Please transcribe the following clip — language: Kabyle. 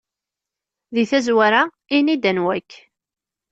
Deg tazwara ini-d anwa-k!